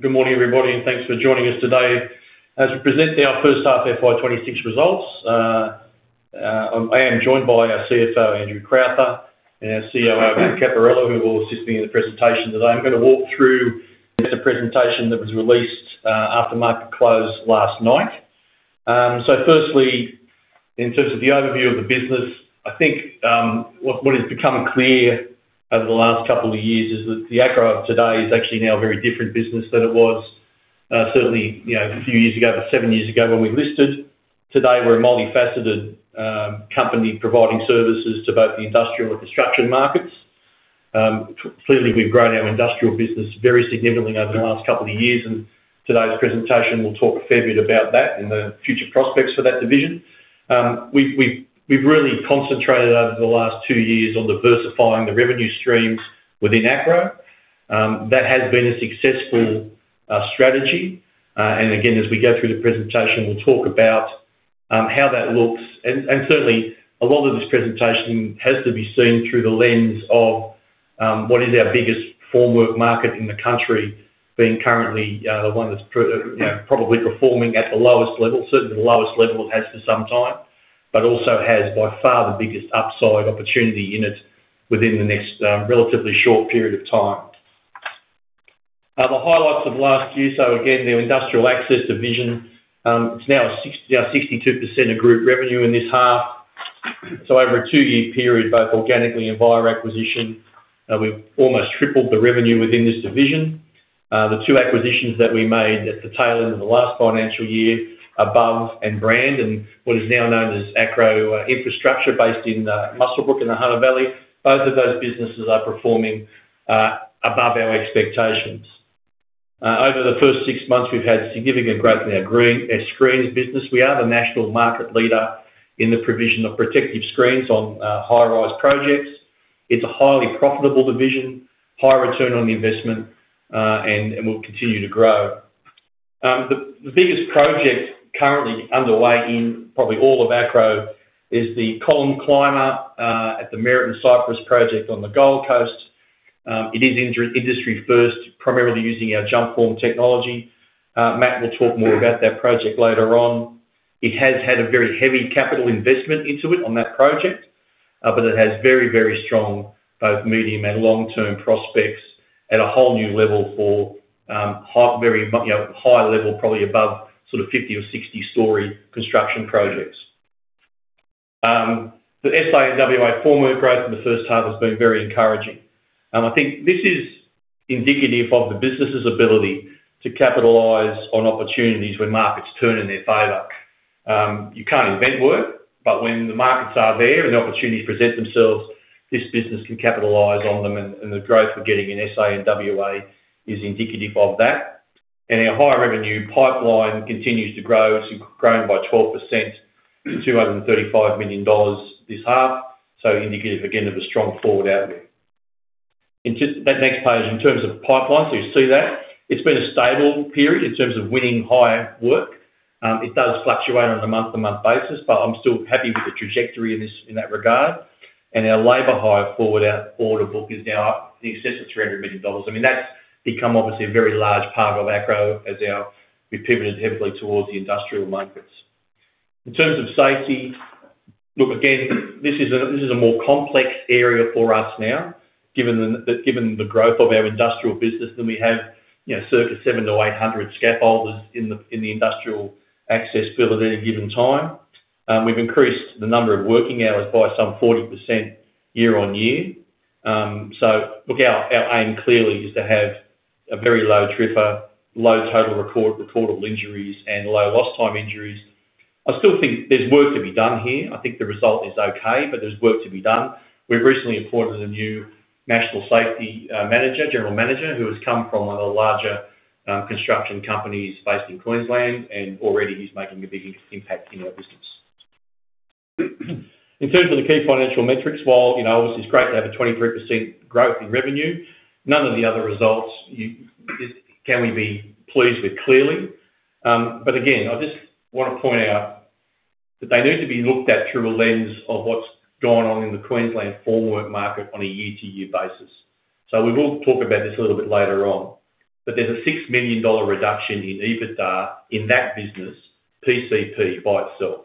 Good morning, everybody, and thanks for joining us today. As we present our first half FY 2026 results, I am joined by our CFO, Andrew Crowther, and our COO, Matt Caporella, who will assist me in the presentation today. I'm gonna walk through the presentation that was released after market close last night. Firstly, in terms of the overview of the business, I think, what has become clear over the last couple of years is that the Acrow of today is actually now a very different business than it was, certainly, you know, a few years ago, or seven years ago when we listed. Today, we're a multifaceted company providing services to both the industrial and construction markets. Clearly, we've grown our industrial business very significantly over the last couple of years. Today's presentation, we'll talk a fair bit about that and the future prospects for that division. We've really concentrated over the last two years on diversifying the revenue streams within Acrow. That has been a successful strategy. Again, as we go through the presentation, we'll talk about how that looks. Certainly, a lot of this presentation has to be seen through the lens of what is our biggest formwork market in the country, being currently, the one that's you know, probably performing at the lowest level, certainly the lowest level it has for some time, but also has, by far, the biggest upside opportunity in it within the next relatively short period of time. The highlights of last year. Again, the industrial access division is now 62% of group revenue in this half. Over a two-year period, both organically and via acquisition, we've almost tripled the revenue within this division. The two acquisitions that we made at the tail end of the last financial year, Above and Brand, and what is now known as Acrow Infrastructure, based in Muswellbrook, in the Hunter Valley. Both of those businesses are performing above our expectations. Over the first six months, we've had significant growth in our green Screens business. We are the national market leader in the provision of protective Screens on high-rise projects. It's a highly profitable division, high return on the investment, and will continue to grow. The biggest project currently underway in probably all of Acrow is the Column Climber at the Meriton Cypress project on the Gold Coast. It is industry first, primarily using our Jumpform technology. Matt will talk more about that project later on. It has had a very heavy capital investment into it on that project, but it has very, very strong, both medium and long-term prospects at a whole new level for, you know, high level, probably above sort of 50 or 60-story construction projects. The SA and WA formwork growth in the first half has been very encouraging. I think this is indicative of the business's ability to capitalize on opportunities when markets turn in their favor. You can't invent work, but when the markets are there and the opportunities present themselves, this business can capitalize on them and the growth we're getting in SA and WA is indicative of that. Our higher revenue pipeline continues to grow. It's grown by 12%, to 235 million dollars this half, so indicative, again, of a strong forward outlook. That next page, in terms of the pipeline, so you see that? It's been a stable period in terms of winning higher work. It does fluctuate on a month-to-month basis, but I'm still happy with the trajectory in this, in that regard. Our labor hire forward, our order book, is now up in excess of 300 million dollars. I mean, that's become obviously a very large part of Acrow as we've pivoted heavily towards the industrial markets. In terms of safety, look, again, this is a more complex area for us now, given the growth of our industrial business, then we have, you know, circa 700 to 800 scaffolders in the industrial access pool at any given time. We've increased the number of working hours by some 40% year-on-year. Look, our aim clearly is to have a very low TRIFR, low total recordable injuries, and low lost time injuries. I still think there's work to be done here. I think the result is okay, but there's work to be done. We've recently appointed a new national safety general manager, who has come from one of the larger construction companies based in Queensland, and already he's making a big impact in our business. In terms of the key financial metrics, while, you know, obviously, it's great to have a 23% growth in revenue, none of the other results you can we be pleased with, clearly. Again, I just want to point out that they need to be looked at through a lens of what's going on in the Queensland formwork market on a year-to-year basis. We will talk about this a little bit later on, there's a 6 million dollar reduction in EBITDA in that business, PCP by itself.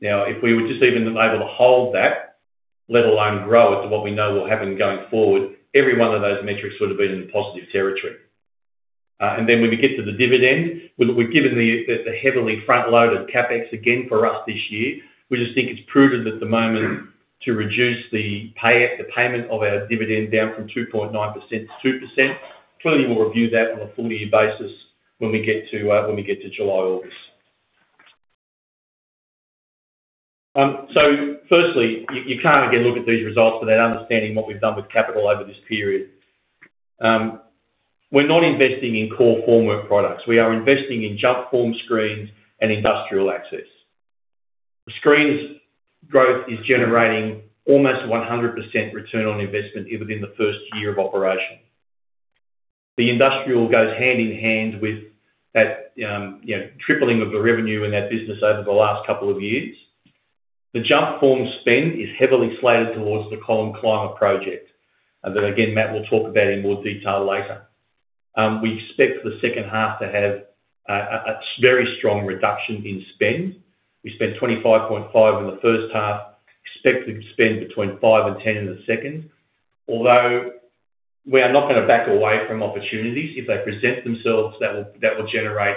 If we were just even able to hold that, let alone grow it to what we know will happen going forward, every one of those metrics would have been in positive territory. When we get to the dividend, we've given the heavily front-loaded CapEx again for us this year. We just think it's prudent at the moment to reduce the payment of our dividend down from 2.9% to 2%. Clearly, we'll review that on a full year basis when we get to July, August. Firstly, you can't, again, look at these results without understanding what we've done with capital over this period. We're not investing in core formwork products. We are investing in Jumpform screens and industrial access. The screens growth is generating almost 100% ROI even within the first year of operation. The industrial goes hand in hand with that, you know, tripling of the revenue in that business over the last couple of years. The Jumpform spend is heavily slated towards the Column Climber Project, and then again, Matt will talk about in more detail later. We expect for the second half to have a very strong reduction in spend. We spent 25.5 million in the first half, expected to spend between 5 million and 10 million in the second. We are not going to back away from opportunities, if they present themselves, that will generate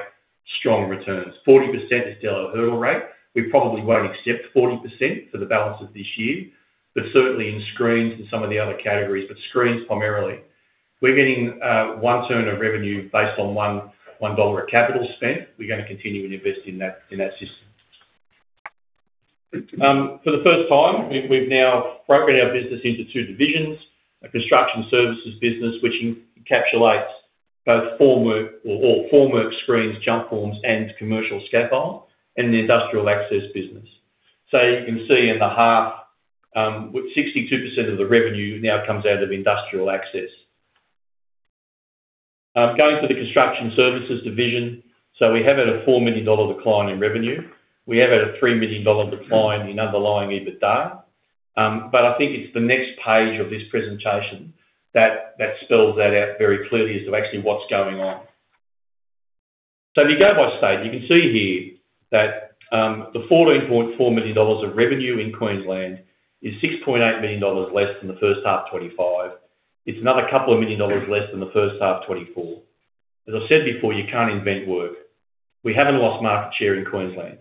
strong returns. 40% is still our hurdle rate. We probably won't accept 40% for the balance of this year, but certainly in screens and some of the other categories, but screens primarily. We're getting 1 turn of revenue based on 1 dollar of capital spent. We're going to continue and invest in that system. For the first time, we've now broken our business into two divisions, a construction services business, which encapsulates both formwork or formwork screens, Jumpforms, and commercial scaffold, and the industrial access business. You can see in the half, with 62% of the revenue now comes out of industrial access. Going to the construction services division, we have had a 4 million dollar decline in revenue. We have had a 3 million dollar decline in underlying EBITDA. I think it's the next page of this presentation that spells that out very clearly as to actually what's going on. If you go by state, you can see here that, the 14.4 million dollars of revenue in Queensland is 6.8 million dollars less than the first half 2025. It's another couple of million dollars less than the first half 2024. As I said before, you can't invent work. We haven't lost market share in Queensland.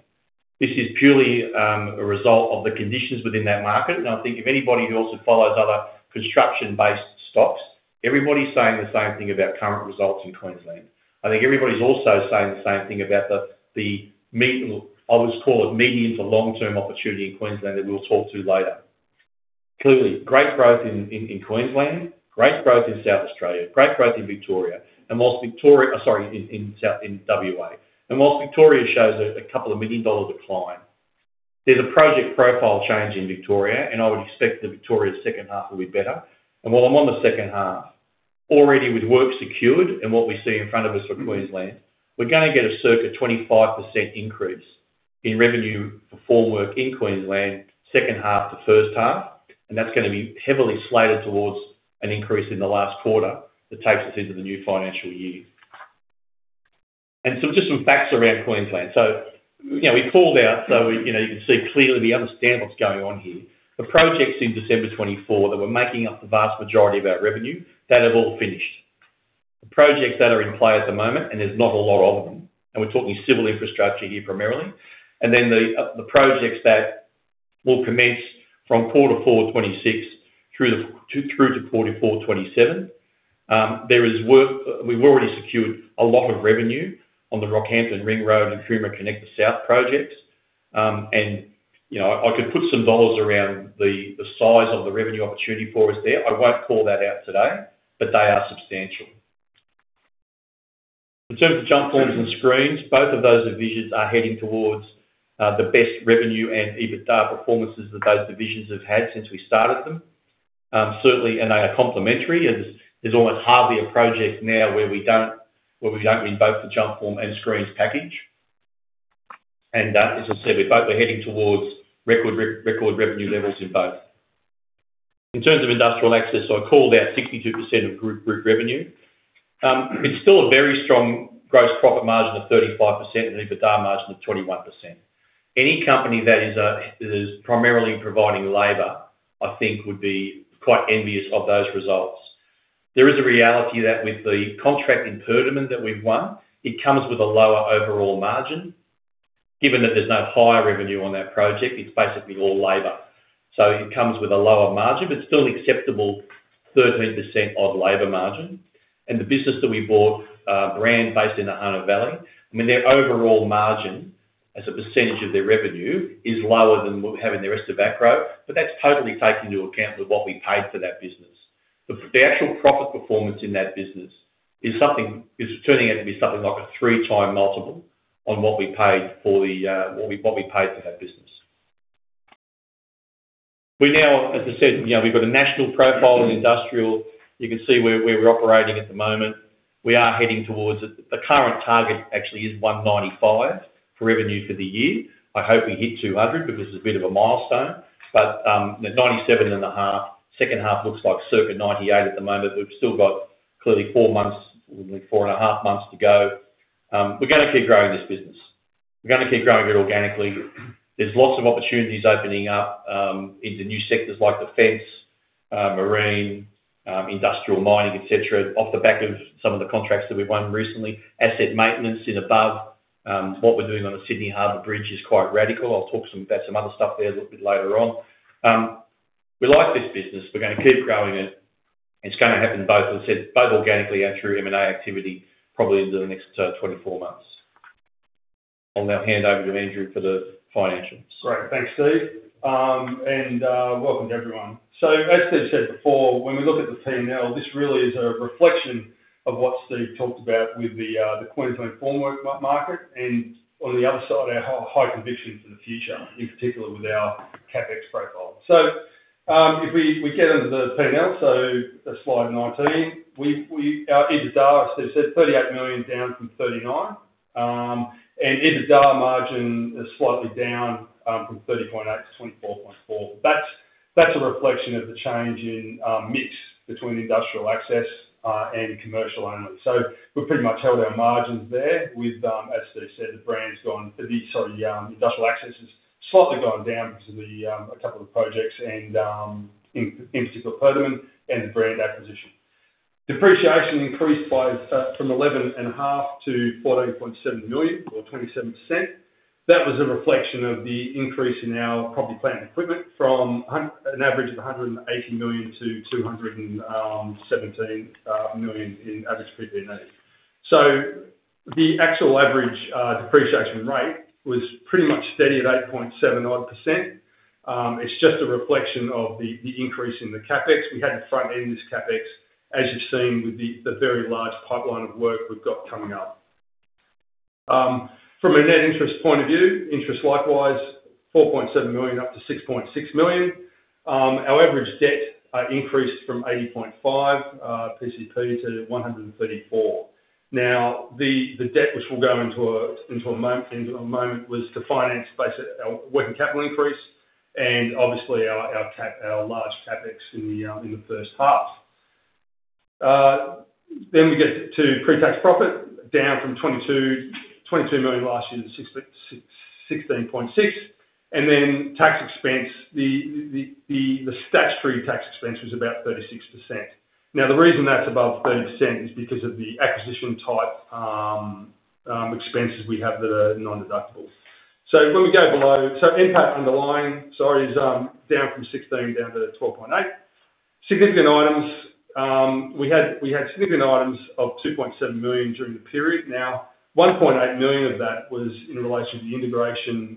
This is purely a result of the conditions within that market, and I think if anybody who also follows other construction-based stocks, everybody's saying the same thing about current results in Queensland. I think everybody's also saying the same thing about the I would call it medium to long-term opportunity in Queensland, that we'll talk to later. Clearly, great growth in Queensland, great growth in South Australia, great growth in Victoria. Whilst Victoria sorry, in South, in WA. Whilst Victoria shows a couple of million dollar decline, there's a project profile change in Victoria, and I would expect that Victoria's second half will be better. While I'm on the second half, already with work secured and what we see in front of us for Queensland, we're going to get a circa 25% increase in revenue for formwork in Queensland, second half to first half, and that's going to be heavily slated towards an increase in the last quarter that takes us into the new financial year. Just some facts around Queensland. You know, we called out, you know, you can see clearly we understand what's going on here. The projects in December 2024 that were making up the vast majority of our revenue, that have all finished. The projects that are in play at the moment, and there's not a lot of them, and we're talking civil infrastructure here primarily. The projects that will commence from Q4 2026 through to Q4 2027, we've already secured a lot of revenue on the Rockhampton Ring Road and Puma Connect South projects. You know, I could put some dollars around the size of the revenue opportunity for us there. I won't call that out today, they are substantial. In terms of Jumpform and Screens, both of those divisions are heading towards the best revenue and EBITDA performances that those divisions have had since we started them. Certainly, they are complementary, as there's almost hardly a project now where we don't, where we don't need both the Jumpform and Screens package. As I said, we're heading towards record revenue levels in both. In terms of industrial access, I called out 62% of group revenue. It's still a very strong gross profit margin of 35%, and EBITDA margin of 21%. Any company that is primarily providing labor, I think, would be quite envious of those results. There is a reality that with the contract impediment that we've won, it comes with a lower overall margin. Given that there's no higher revenue on that project, it's basically all labor. It comes with a lower margin, but still acceptable 13% of labor margin. The business that we bought, Brand based in the Hunter Valley, I mean, their overall margin, as a percentage of their revenue, is lower than what we have in the rest of Acrow, that's totally taken into account with what we paid for that business. The actual profit performance in that business is turning out to be something like a 3x multiple on what we paid for what we paid for that business. We now, as I said, you know, we've got a national profile in industrial. You can see where we're operating at the moment. We are heading towards. The current target actually is 195 for revenue for the year. I hope we hit 200 because it's a bit of a milestone. The 97.5, second half looks like circa 98 at the moment. We've still got clearly month months, 4.5 months to go. We're gonna keep growing this business. We're gonna keep growing it organically. There's lots of opportunities opening up into new sectors like defense, marine, industrial mining, et cetera, off the back of some of the contracts that we've won recently. Asset maintenance in Above Scaffolding, what we're doing on the Sydney Harbor Bridge is quite radical. I'll talk about some other stuff there a little bit later on. We like this business. We're gonna keep growing it, and it's gonna happen both, as I said, both organically and through M&A activity, probably into the next 24 months. I'll now hand over to Andrew for the financials. Great. Thanks, Steve, welcome to everyone. As Steve said before, when we look at the P&L, this really is a reflection of what Steve talked about with the Queensland formwork market, and on the other side, our high convictions for the future, in particular with our CapEx profile. If we get into the P&L, slide 19, our EBITDA, as Steve said, 38 million down from 39 million. EBITDA margin is slightly down from 30.8% to 24.4%. That's a reflection of the change in mix between industrial access and commercial only. We've pretty much held our margins there with, as Steve said, industrial access has slightly gone down because of a couple of projects and, in particular, Fuderman and the Brand acquisition. Depreciation increased by from eleven and a half to 14.7 million, or 27%. That was a reflection of the increase in our Property, Plant, and Equipment from an average of 180 million to 217 million in average PP&E. The actual average depreciation rate was pretty much steady at 8.7% odd. It's just a reflection of the increase in the CapEx. We had to front-end this CapEx, as you've seen, with the very large pipeline of work we've got coming up. From a net interest point of view, interest, likewise, 4.7 million, up to 6.6 million. Our average debt increased from 80.5 million PCP to 134 million. The debt, which we'll go into a moment, was to finance basic working capital increase and obviously our large CapEx in the first half. We get to pre-tax profit, down from 22 million last year to 16.6 million. Tax expense, the statutory tax expense was about 36%. The reason that's above 30% is because of the acquisition-type expenses we have that are non-deductible. When we go below, NPAT underlying, sorry, is down from 16 million down to 12.8 million. Significant items, we had significant items of 2.7 million during the period. 1.8 million of that was in relation to the integration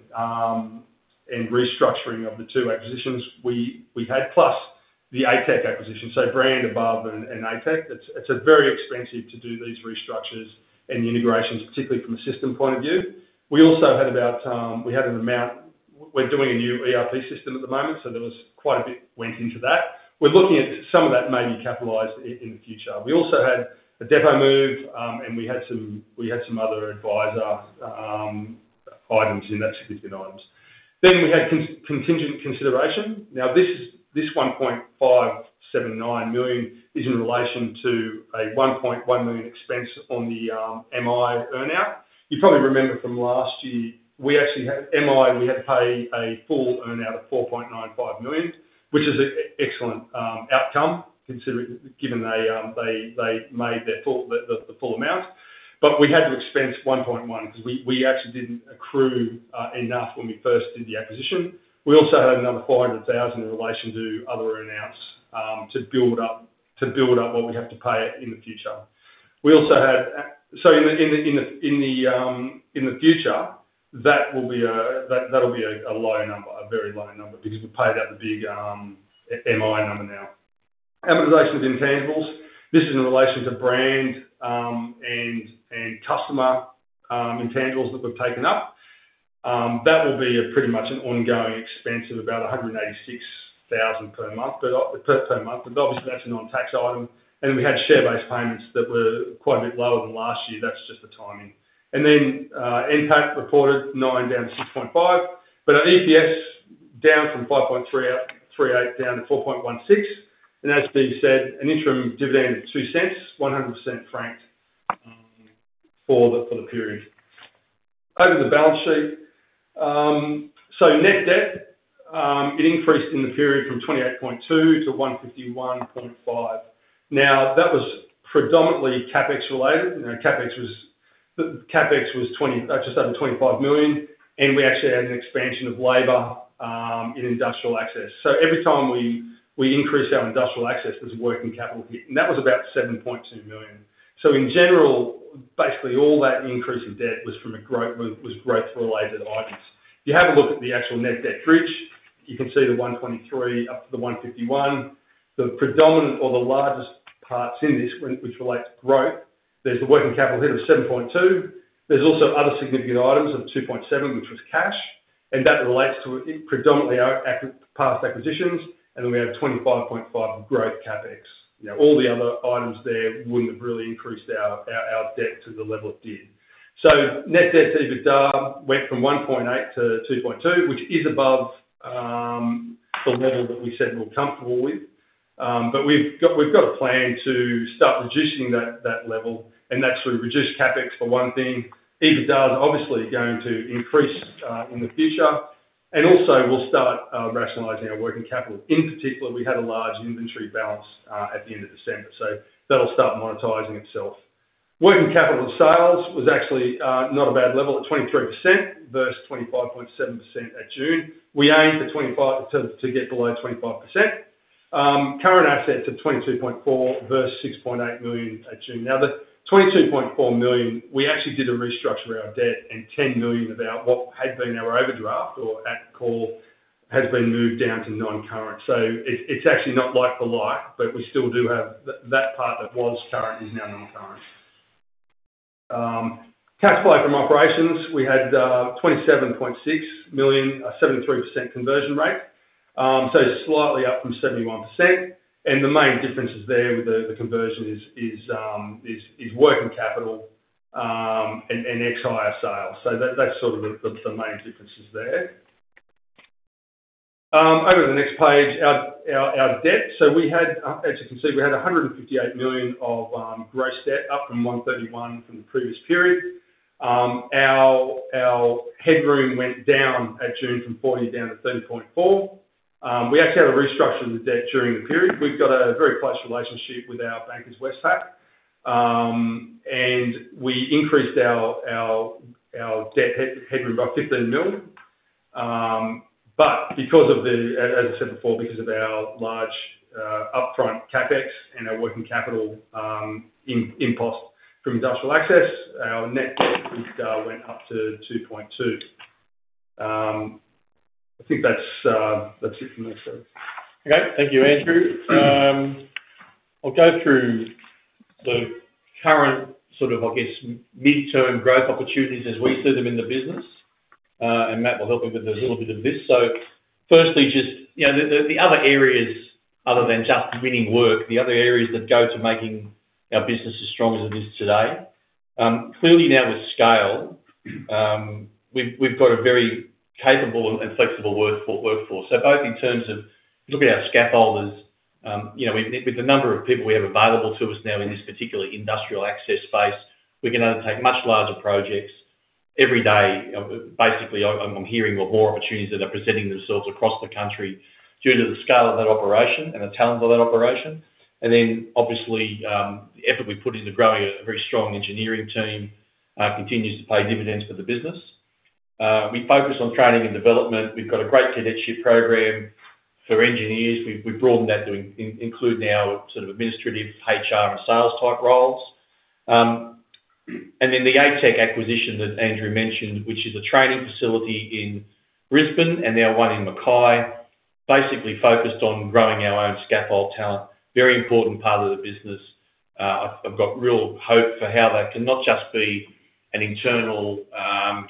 and restructuring of the two acquisitions we had, plus the ATEC acquisition, so Brand Above and ATEC. It's a very expensive to do these restructures and integrations, particularly from a system point of view. We also had an amount. We're doing a new ERP system at the moment, so there was quite a bit went into that. We're looking at some of that may be capitalized in the future. We also had a depot move, and we had some other advisor items in that significant items. We had contingent consideration. This is 1.579 million is in relation to a 1.1 million expense on the MI earn-out. You probably remember from last year, we actually had MI, we had to pay a full earn-out of 4.95 million, which is a excellent outcome, considering, given they made their full amount. We had to expense 1.1 million, because we actually didn't accrue enough when we first did the acquisition. We also had another 500,000 in relation to other earn-outs to build up what we have to pay in the future. We also had, so in the future, that'll be a low number, a very low number, because we paid out the big MI number now. Amortization of intangibles, this is in relation to brand and customer intangibles that we've taken up. That will be a pretty much an ongoing expense of about 186,000 per month, but obviously, that's a non-tax item. We had share-based payments that were quite a bit lower than last year. That's just the timing. NPAT reported 9 down to 6.5, but our EPS down from 5.38 down to 4.16. As Steve said, an interim dividend of 0.02, 100% franked for the period. Over to the balance sheet. Net Debt it increased in the period from 28.2 million to 151.5 million. That was predominantly CapEx related. You know, just under 25 million, and we actually had an expansion of labor in industrial access. Every time we increased our industrial access, there's a working capital hit, and that was about 7.2 million. In general, basically all that increase in debt was growth-related items. If you have a look at the actual Net Debt bridge, you can see the 123 million up to the 151 million. The predominant or the largest parts in this, when, which relate to growth, there's the working capital hit of 7.2. There's also other significant items of 2.7, which was cash, and that relates to predominantly our past acquisitions, and then we have 25.5 growth CapEx. Now, all the other items there wouldn't have really increased our debt to the level it did. Net Debt to EBITDA went from 1.8 to 2.2, which is above the level that we said we're comfortable with. We've got a plan to start reducing that level, and that's through reduced CapEx, for one thing. EBITDA is obviously going to increase in the future, and also we'll start rationalizing our working capital. In particular, we had a large inventory balance at the end of December, that'll start monetizing itself. Working capital sales was actually not a bad level at 23% versus 25.7% at June. We aim for 25, to get below 25%. Current assets of 22.4 million versus 6.8 million at June. Now, the 22.4 million, we actually did a restructure of our debt, and 10 million of out what had been our overdraft or at call, has been moved down to non-current. It's actually not like for like, but we still do have. That part that was current is now non-current. Cash flow from operations, we had 27.6 million, a 73% conversion rate. Slightly up from 71%, the main differences there with the conversion is working capital and ex higher sales. That's sort of the main differences there. Over the next page, our debt. As you can see, we had 158 million of gross debt, up from 131 million from the previous period. Our headroom went down at June from 40 million down to 13.4 million. We actually had to restructure the debt during the period. We've got a very close relationship with our bankers, Westpac. We increased our debt headroom by 15 million. Because of the, as I said before, because of our large upfront CapEx and our working capital impose from industrial access, our net debt went up to 2.2. I think that's it from my side. Okay, thank you, Andrew. I'll go through the current, sort of, I guess, mid-term growth opportunities as we see them in the business, and Matt will help me with a little bit of this. Firstly, just, you know, the, the other areas other than just winning work, the other areas that go to making our business as strong as it is today. Clearly now with scale, we've got a very capable and flexible workforce. Both in terms of looking at our scaffolders, you know, with the number of people we have available to us now in this particular industrial access space, we can undertake much larger projects. Every day, basically, I'm hearing more opportunities that are presenting themselves across the country due to the scale of that operation and the talent of that operation. Obviously, the effort we put into growing a very strong engineering team continues to pay dividends for the business. We focus on training and development. We've got a great cadetship program for engineers. We've broadened that to include now sort of administrative, HR, and sales type roles. The ATEC acquisition that Andrew mentioned, which is a training facility in Brisbane and now one in Mackay, basically focused on growing our own scaffold talent. Very important part of the business. I've got real hope for how that can not just be an internal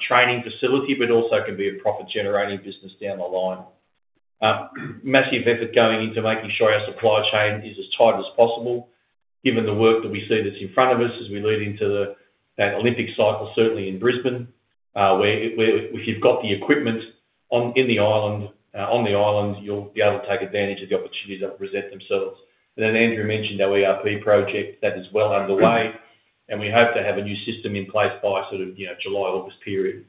training facility, but also can be a profit-generating business down the line. Massive effort going into making sure our supply chain is as tight as possible, given the work that we see that's in front of us as we lead into the Olympic cycle, certainly in Brisbane, where if you've got the equipment on the island, you'll be able to take advantage of the opportunities that present themselves. Andrew mentioned our ERP project, that is well underway, and we hope to have a new system in place by sort of, you know, July, August period.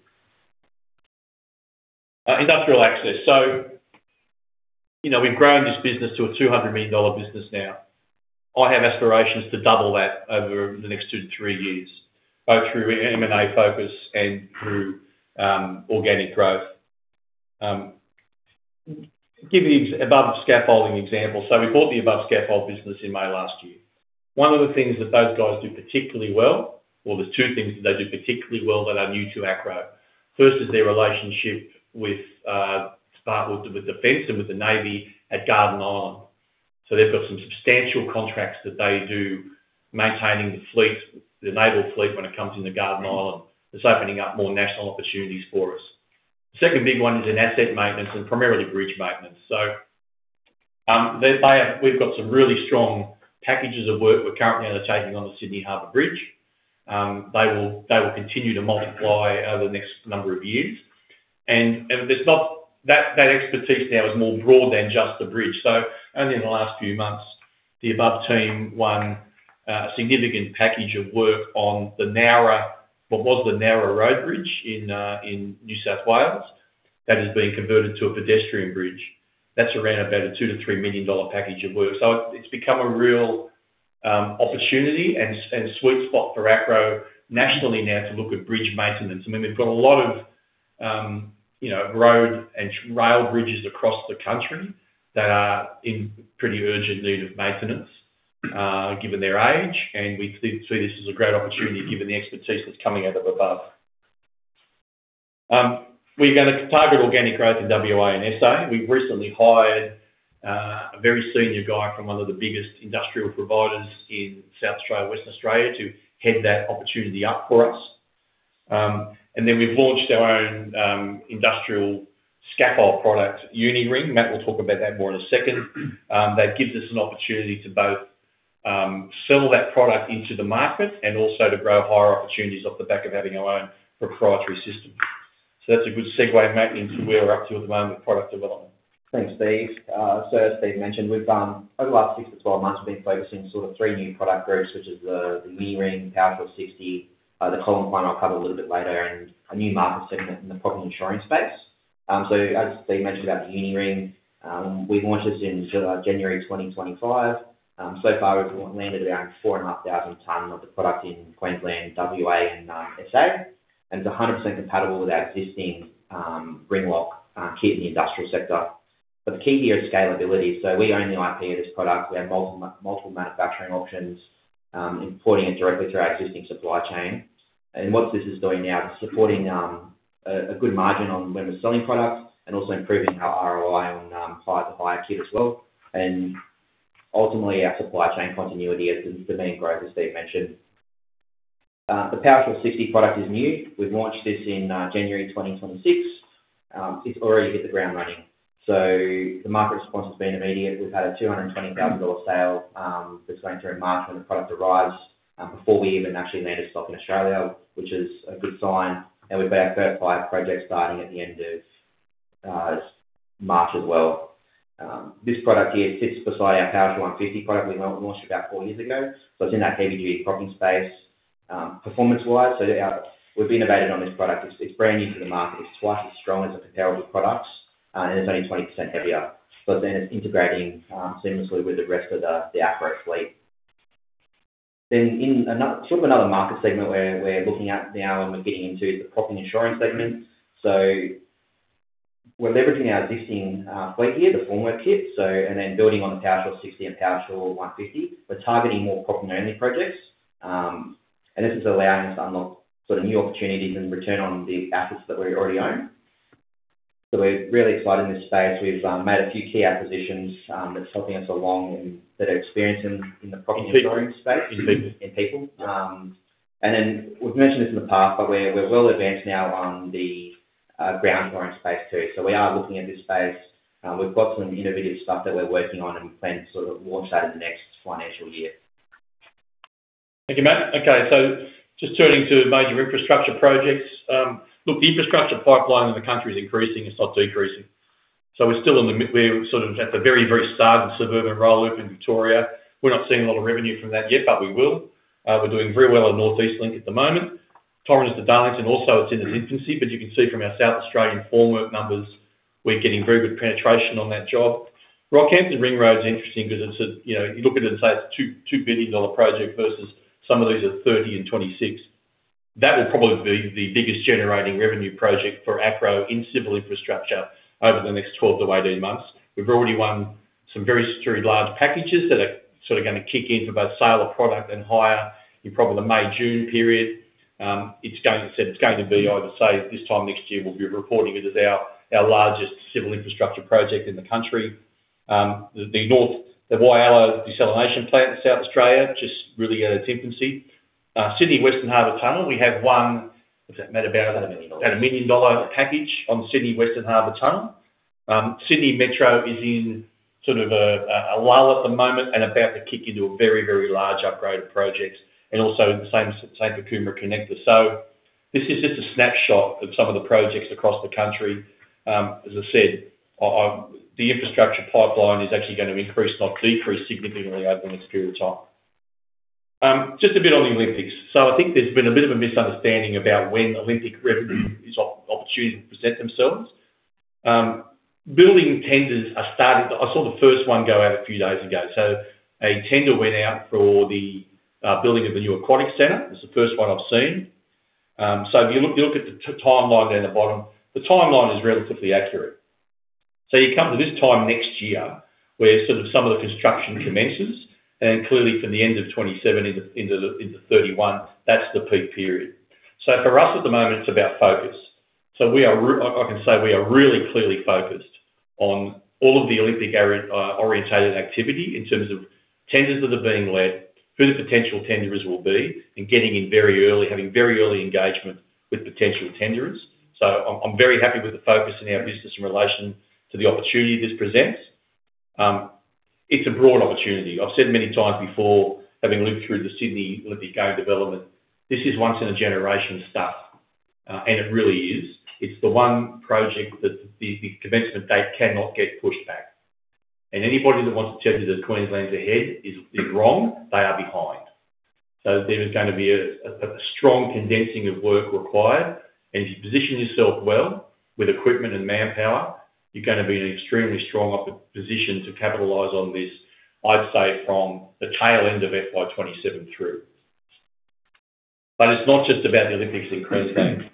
Industrial access. You know, we've grown this business to an 200 million dollar business now. I have aspirations to double that over the next two to three years, both through an M&A focus and through organic growth. Give the Above Scaffolding example. We bought the Above Scaffold business in May last year. One of the things that those guys do particularly well, or there's two things that they do particularly well that are new to Acrow. First is their relationship with, start with defense and with the Navy at Garden Island. They've got some substantial contracts that they do, maintaining the fleet, the naval fleet, when it comes into Garden Island. It's opening up more national opportunities for us. The second big one is in asset maintenance and primarily bridge maintenance. We've got some really strong packages of work we're currently undertaking on the Sydney Harbour Bridge. They will continue to multiply over the next number of years. There's not... That expertise now is more broad than just the bridge. Only in the last few months, the Above team won a significant package of work on the Nowra, what was the Nowra Road Bridge in New South Wales, that is being converted to a pedestrian bridge. That's around about a 2 million-3 million dollar package of work. It's become a real opportunity and sweet spot for Acrow nationally now to look at bridge maintenance. I mean, we've got a lot of, you know, road and rail bridges across the country that are in pretty urgent need of maintenance, given their age, and we see this as a great opportunity, given the expertise that's coming out of Above. We're going to target organic growth in WA and SA. We've recently hired a very senior guy from one of the biggest industrial providers in South Australia, Western Australia, to head that opportunity up for us. We've launched our own industrial scaffold product, Uni-Ring. Matt will talk about that more in a second. That gives us an opportunity to both sell that product into the market and also to grow higher opportunities off the back of having our own proprietary system. That's a good segue, Matt, into where we're up to at the moment with product development. Thanks, Steve. As Steve mentioned, we've over the last six-12 months, been focusing on sort of 3 new product groups, such as the Uni Ring, Powershore 60, the column one I'll cover a little bit later, and a new market segment in the property insurance space. As Steve mentioned about the Uni Ring, we launched this in January 2025. Far, we've landed around 4,500 ton of the product in Queensland, WA, and SA, and it's 100% compatible with our existing Ringlock kit in the industrial sector. The key here is scalability. We own the IP of this product. We have multiple manufacturing options, importing it directly through our existing supply chain. What this is doing now, is supporting a good margin on when we're selling products and also improving our ROI on buy-to-buy kit as well. Ultimately, our supply chain continuity is remaining great, as Steve mentioned. The Powershore 60 product is new. We've launched this in January 2026. It's already hit the ground running. The market response has been immediate. We've had an 220,000 dollar sale between through March, when the product arrives, before we even actually landed stock in Australia, which is a good sign, and we've got our first five projects starting at the end of March as well. This product here sits beside our Powershore 150 product we launched about four years ago. It's in that heavy duty propping space performance-wise. Our we've innovated on this product. It's brand new to the market. It's twice as strong as the comparable products, and it's only 20% heavier. It's integrating seamlessly with the rest of the Acrow fleet. In another market segment where we're looking at now, and we're getting into the propping insurance segment. We're leveraging our existing fleet here, the formwork tips, and then building on the Powershore 60 and Powershore 150. We're targeting more propping-only projects, and this is allowing us to unlock sort of new opportunities and return on the assets that we already own. We're really excited in this space. We've made a few key acquisitions, that's helping us along and that are experiencing in the propping insurance space. In people. In people. We've mentioned this in the past, but we're well advanced now on the ground flooring space, too. We are looking at this space. We've got some innovative stuff that we're working on, and we plan to sort of launch that in the next financial year. Thank you, Matt. Okay, just turning to major infrastructure projects. Look, the infrastructure pipeline in the country is increasing, it's not decreasing. We're sort of at the very, very start of Suburban Rail Loop in Victoria. We're not seeing a lot of revenue from that yet, but we will. We're doing very well on North East Link at the moment. Torrens to Darlington also, it's in its infancy, but you can see from our South Australian form work numbers, we're getting very good penetration on that job. Rockhampton Ring Road is interesting because it's a, you know, you look at it and say, it's a 2 billion dollar project versus some of these are 30 billion and 26 billion. That will probably be the biggest generating revenue project for Acrow in civil infrastructure over the next 12 to 18 months. We've already won some very, very large packages that are sort of going to kick in for both sale of product and hire in probably the May-June period. It's going to be, I would say, this time next year, we'll be reporting it as our largest civil infrastructure project in the country. The North, the Whyalla desalination plant in South Australia, just really at its infancy. Sydney Western Harbor Tunnel, we have one. About 1 million dollar. About an AUD 1 million package on the Sydney Western Harbor Tunnel. Sydney Metro is in sort of a lull at the moment and about to kick into a very large upgrade of projects, also the same for Coomera Connector. This is just a snapshot of some of the projects across the country. As I said, the infrastructure pipeline is actually going to increase, not decrease, significantly over the next period of time. Just a bit on the Olympics. I think there's been a bit of a misunderstanding about when Olympic revenue opportunities present themselves. Building tenders are starting. I saw the first one go out a few days ago. A tender went out for the building of the new aquatic center. It's the first one I've seen. If you look at the timeline there on the bottom, the timeline is relatively accurate. You come to this time next year, where sort of some of the construction commences, and clearly from the end of 2027 into 2031, that's the peak period. For us, at the moment, it's about focus. I can say we are really clearly focused on all of the Olympic-oriented activity in terms of tenders that are being led, who the potential tenderers will be, and getting in very early, having very early engagement with potential tenderers. I'm very happy with the focus in our business in relation to the opportunity this presents. It's a broad opportunity. I've said many times before, having lived through the Sydney Olympic Game development, this is once in a generation stuff, and it really is. It's the one project that the commencement date cannot get pushed back. Anybody that wants to tell you that Queensland's ahead is wrong. They are behind. There is going to be a strong condensing of work required, and if you position yourself well with equipment and manpower, you're going to be in an extremely strong position to capitalize on this, I'd say, from the tail end of FY 2027 through. It's not just about the Olympics in Queensland.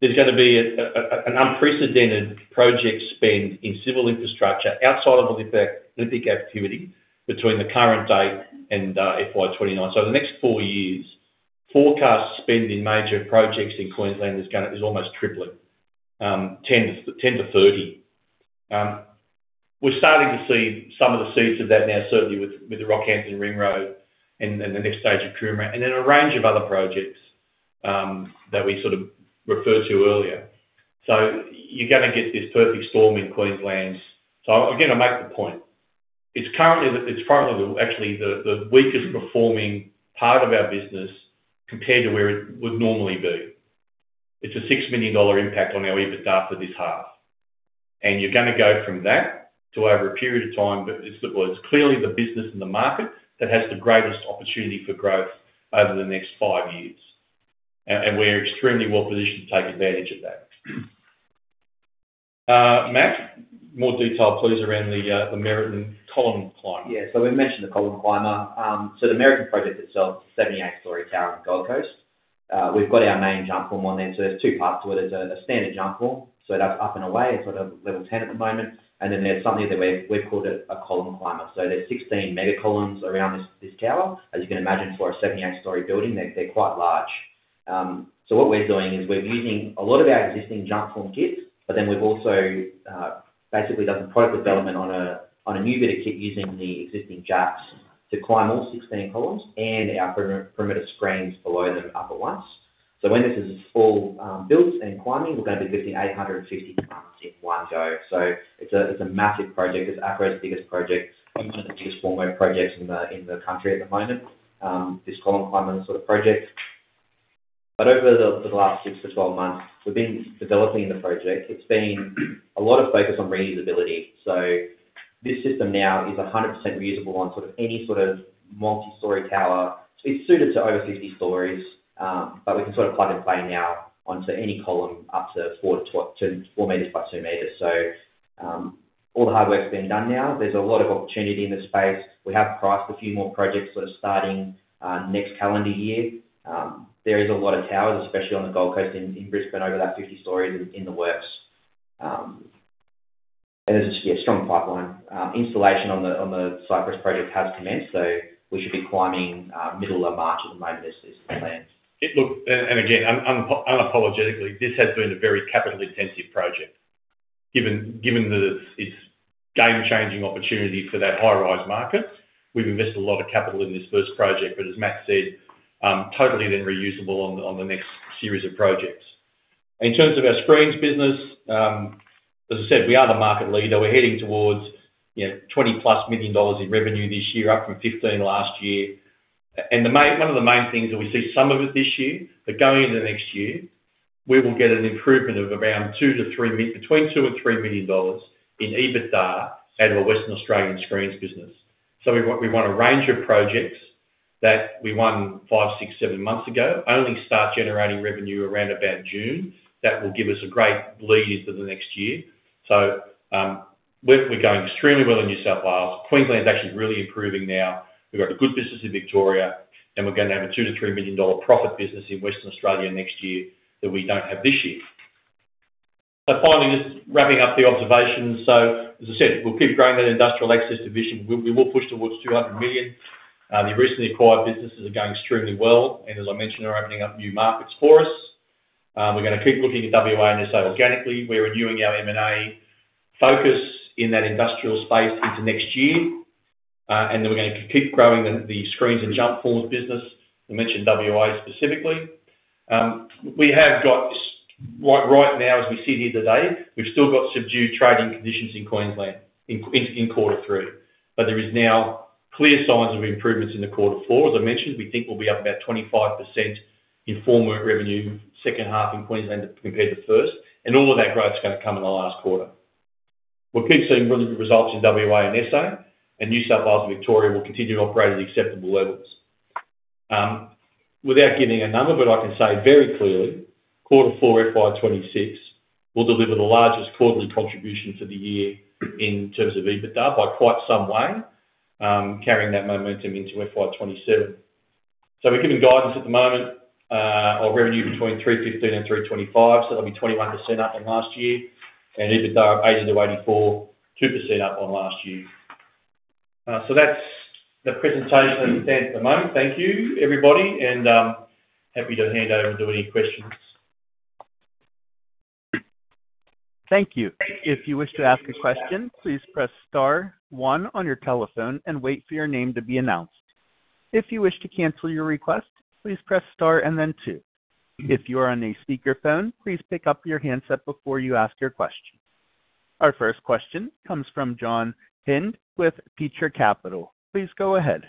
There's going to be an unprecedented project spend in civil infrastructure outside of Olympic activity between the current date and FY 2029. The next four years, forecast spend in major projects in Queensland is gonna almost tripling, 10 to 30. We're starting to see some of the seeds of that now, certainly with the Rockhampton Ring Road and the next stage of Coomera, and then a range of other projects that we sort of referred to earlier. You're gonna get this perfect storm in Queensland. Again, I make the point. It's currently actually the weakest performing part of our business compared to where it would normally be. It's a 6 million dollar impact on our EBITDA for this half, and you're gonna go from that to over a period of time, but it's, well, it's clearly the business and the market that has the greatest opportunity for growth over the next five years. We're extremely well positioned to take advantage of that. Matt, more detail, please, around the Meriton column climb? Yeah. We mentioned the Column Climber. The Meriton project itself, 78-storey tower on the Gold Coast. We've got our main Jumpform on there. There's two parts to it. There's a standard Jumpform that's up and away. It's sort of level 10 at the moment. There's something that we've called it a Column Climber. There's 16 mega columns around this tower. As you can imagine, for a 78-storey building, they're quite large. What we're doing is we're using a lot of our existing Jumpform kits. We've also basically done product development on a new bit of kit using the existing juts to climb all 16 columns and our perimeter screens below the upper ones. When this is all built and climbing, we're going to be getting 850 tons in one go. It's a massive project. It's Acrow's biggest project and one of the biggest formwork projects in the country at the moment, this column climbing sort of project. Over the last six-12 months, we've been developing the project. It's been a lot of focus on reusability. This system now is 100% reusable on sort of any sort of multi-story tower. It's suited to over 50 stories, we can sort of plug and play now onto any column up to 4 m by 2 m. All the hard work's been done now. There's a lot of opportunity in the space. We have priced a few more projects that are starting next calendar year. There is a lot of towers, especially on the Gold Coast in Brisbane, over that 50 stories in the works. There's a, yeah, strong pipeline. Installation on the Cypress project has commenced, so we should be climbing middle of March at the moment, as is planned. Again, unapologetically, this has been a very capital-intensive project. Given that it's game-changing opportunity for that high-rise market, we've invested a lot of capital in this first project, but as Matt said, totally then reusable on the next series of projects. In terms of our screens business, as I said, we are the market leader. We're heading towards, you know, 20+ million dollars in revenue this year, up from 15 million last year. One of the main things that we see some of it this year, but going into next year, we will get an improvement of around between 2 million and 3 million dollars in EBITDA out of a Western Australian screens business. We want a range of projects that we won five, six, seven months ago, only start generating revenue around about June. That will give us a great lead into the next year. We're going extremely well in New South Wales. Queensland's actually really improving now. We've got a good business in Victoria, and we're going to have a 2 million-3 million dollar profit business in Western Australia next year that we don't have this year. Finally, just wrapping up the observations. As I said, we'll keep growing that industrial access division. We will push towards 200 million. The recently acquired businesses are going extremely well, and as I mentioned, they're opening up new markets for us. We're gonna keep looking at WA and SA organically. We're renewing our M&A focus in that industrial space into next year, and then we're gonna keep growing the screens and Jumpform forms business. We mentioned WA specifically. We have got, right now, as we sit here today, we've still got subdued trading conditions in Queensland, in quarter three, but there is now clear signs of improvements in the quarter four. As I mentioned, we think we'll be up about 25% in formwork revenue, second half in Queensland compared to first, and all of that growth is gonna come in the last quarter. We'll keep seeing really good results in WA and SA, and New South Wales and Victoria will continue to operate at acceptable levels. Without giving a number, but I can say very clearly, Q4 FY 2026 will deliver the largest quarterly contribution to the year in terms of EBITDA by quite some way, carrying that momentum into FY27. We're giving guidance at the moment of revenue between 315 million and 325 million, that'll be 21% up from last year, and EBITDA, 80 million-84 million, 2% up on last year. That's the presentation stands at the moment. Thank you, everybody, and happy to hand over to any questions. Thank you. If you wish to ask a question, please press star one on your telephone and wait for your name to be announced. If you wish to cancel your request, please press star and then two. If you are on a speakerphone, please pick up your handset before you ask your question. Our first question comes from John Hynd with Petra Capital. Please go ahead.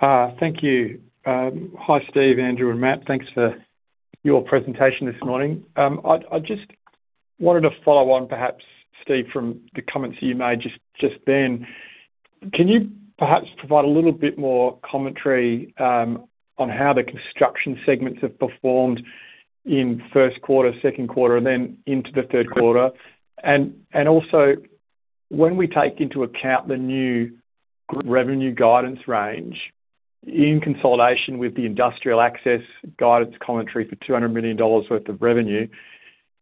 Thank you. Hi, Steve, Andrew, and Matt. Thanks for your presentation this morning. I just wanted to follow on, perhaps, Steve, from the comments you made then. Can you perhaps provide a little bit more commentary on how the construction segments have performed in first quarter, second quarter, and then into the third quarter? Also, when we take into account the new revenue guidance range, in consolidation with the industrial access guidance commentary for 200 million dollars worth of revenue,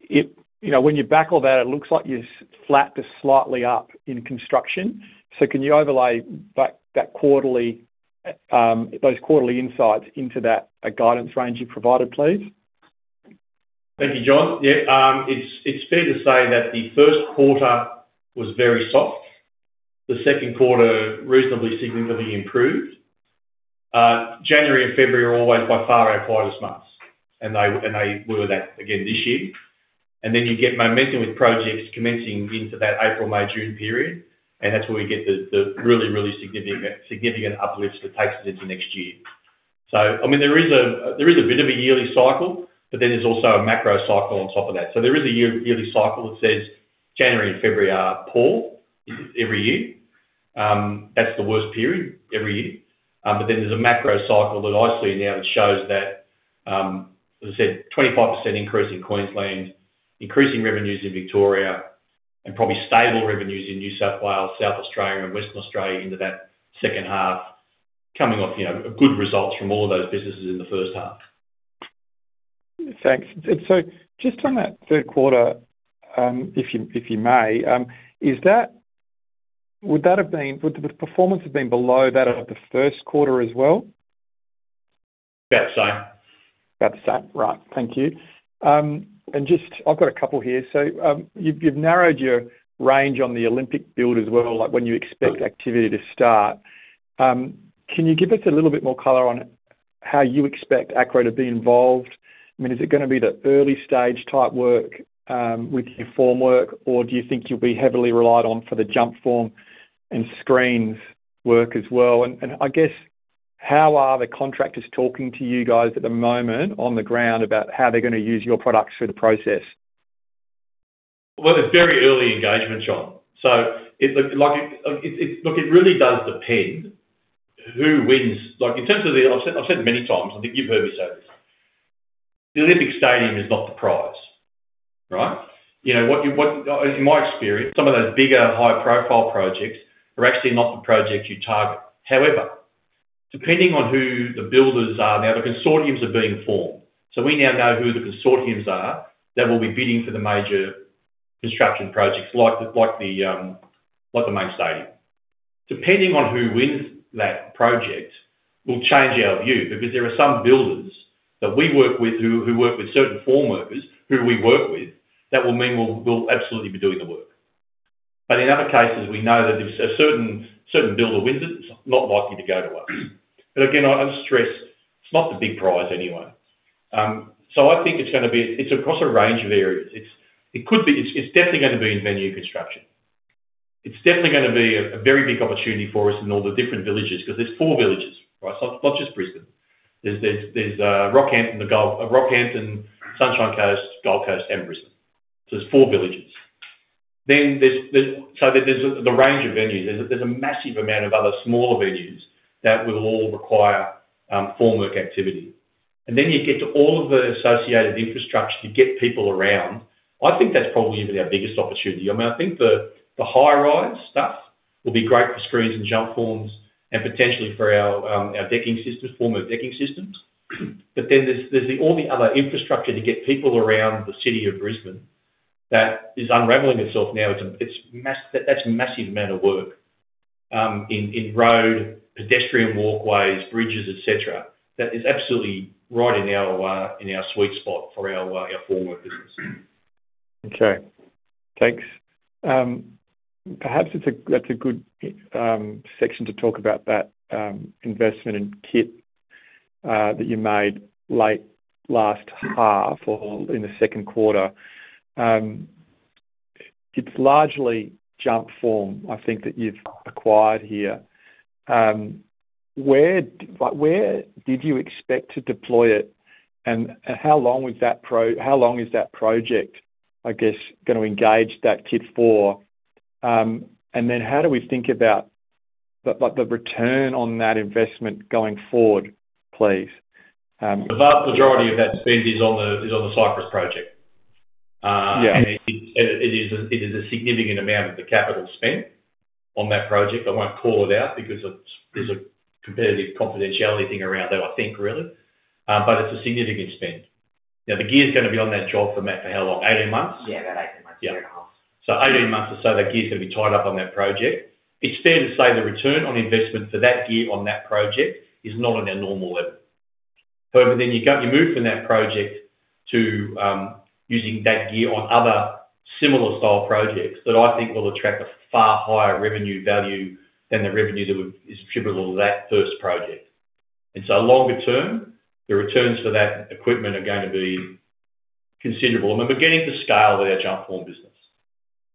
you know, when you back all that, it looks like you've flat to slightly up in construction. Can you overlay that quarterly, those quarterly insights into that guidance range you provided, please? Thank you, John. It's fair to say that the first quarter was very soft. The second quarter, reasonably significantly improved. January and February are always by far our quietest months, and they were that again this year. You get momentum with projects commencing into that April, May, June period, and that's where we get the really significant uplifts that takes us into next year. I mean, there is a bit of a yearly cycle, but then there's also a macro cycle on top of that. There is a yearly cycle that says January and February are poor every year. That's the worst period every year. There's a macro cycle that I see now that shows that, as I said, 25% increase in Queensland, increasing revenues in Victoria, and probably stable revenues in New South Wales, South Australia, and Western Australia into that second half, coming off, you know, good results from all of those businesses in the first half. Thanks. Just on that third quarter, if you may, is that, would that have been, would the performance have been below that of the first quarter as well? About the same. About the same. Right. Thank you. Just I've got a couple here. You've narrowed your range on the Olympic build as well, like when you expect activity to start. Can you give us a little bit more color on how you expect Acrow to be involved? I mean, is it gonna be the early stage type work with your formwork, or do you think you'll be heavily relied on for the Jumpform and Screens work as well? I guess, how are the contractors talking to you guys at the moment on the ground about how they're gonna use your products through the process? Well, it's very early engagement, John. It look like, Look, it really does depend who wins. Like, in terms of I've said it many times, I think you've heard me say this: the Olympic Stadium is not the prize, right? You know what you, what, in my experience, some of those bigger, high-profile projects are actually not the projects you target. However, depending on who the builders are now, the consortiums are being formed. We now know who the consortiums are that will be bidding for the major construction projects like the, like the main stadium. Depending on who wins that project, will change our view because there are some builders that we work with who work with certain formworkers, who we work with, that will mean we'll absolutely be doing the work. In other cases, we know that if a certain builder wins it's not likely to go to us. Again, I stress, it's not the big prize anyway. I think it's gonna be, it's across a range of areas. It's definitely gonna be in venue construction. It's definitely gonna be a very big opportunity for us in all the different villages, because there's 4 villages, right? It's not just Brisbane. There's Rockhampton, Sunshine Coast, Gold Coast, and Brisbane. There's 4 villages. Then there's the range of venues. There's a massive amount of other smaller venues that will all require formwork activity. Then you get to all of the associated infrastructure to get people around. I think that's probably even our biggest opportunity. I mean, I think the high-rise stuff will be great for screens and jump forms and potentially for our decking systems, form of decking systems. There's the all the other infrastructure to get people around the city of Brisbane that is unraveling itself now. It's, That's a massive amount of work, in road, pedestrian walkways, bridges, et cetera. That is absolutely right in our, in our sweet spot for our formwork business. Okay, thanks. Perhaps it's a, that's a good section to talk about that investment in kit that you made late last half or in the second quarter. It's largely Jumpform, I think, that you've acquired here. Where, like, where did you expect to deploy it, and how long is that project, I guess, gonna engage that kit for? How do we think about the, like, the return on that investment going forward, please? The vast majority of that spend is on the Cypress project. Yeah. It is a significant amount of the capital spent on that project. I won't call it out because it's, there's a competitive confidentiality thing around that, I think, really. It's a significant spend. The gear is gonna be on that job for, mate, for how long? 18 months? Yeah, about 18 months, 2 and a half. 18 months or so, that gear is gonna be tied up on that project. It's fair to say the return on investment for that gear on that project is not on a normal level. However, you go, you move from that project to using that gear on other similar style projects that I think will attract a far higher revenue value than the revenue that is attributable to that first project. Longer term, the returns for that equipment are gonna be considerable. I mean, we're getting to scale with our Jumpform business.